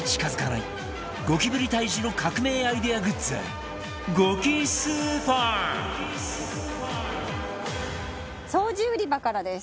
ゴキブリ退治の革命アイデアグッズ掃除売り場からです。